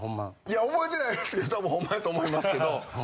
いや覚えてないですけど多分ほんまやと思いますけど。